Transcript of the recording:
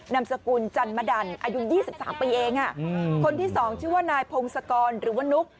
นำสกุลจันมดันอายุยี่สิบสามปีเองคนที่สองชื่อว่านายพงศกรหรือว่านุก